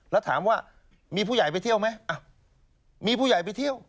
แล้วถามว่ามีผู้ใหญ่ไปเที่ยวไหมมีผู้ใหญ่ไปเที่ยว